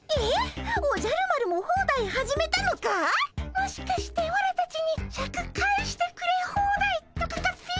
もしかしてオラたちにシャク返してくれホーダイとかかっピィ？